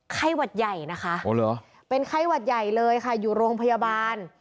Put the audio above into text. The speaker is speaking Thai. ไข้หวัดใหญ่นะคะเป็นไข้หวัดใหญ่เลยค่ะอยู่โรงพยาบาล